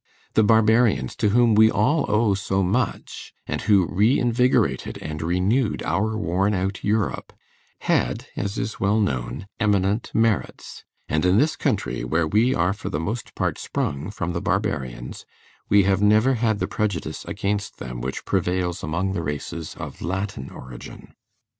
The Barbarians, to whom we all owe so much, and who reinvigorated and renewed our worn out Europe, had, as is well known, eminent merits; and in this country, where we are for the most part sprung from the Barbarians, we have never had the prejudice against them which prevails among the races of Latin origin.